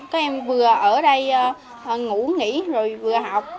các em vừa ở đây ngủ nghỉ rồi vừa học